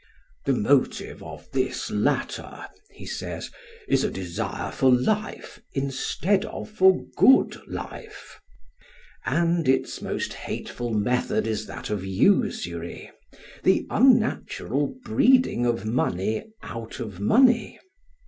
"The motive of this latter," he says, "is a desire for life instead of for good life"; and its most hateful method is that of usury, the unnatural breeding of money out of money.